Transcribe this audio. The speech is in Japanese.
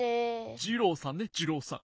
ジローさんねジローさん。